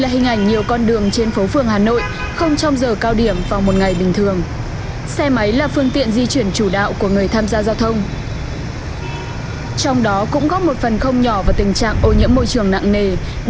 các bạn hãy đăng ký kênh để ủng hộ kênh của chúng mình nhé